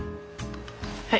はい。